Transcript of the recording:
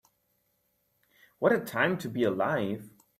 What a time to be alive.